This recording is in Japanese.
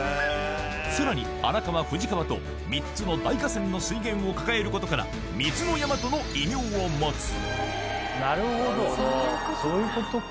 さらに荒川富士川と３つの大河川の水源を抱えることから「水の山」との異名を持つなるほどそういうことか。